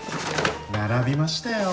並びましたよ。